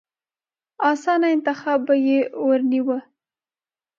اسانه انتخاب به يې ورنيوه.